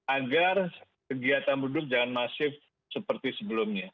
agar kegiatan duduk jangan masif seperti sebelumnya